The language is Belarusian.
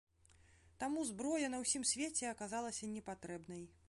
Таму зброя на ўсім свеце аказалася непатрэбнай.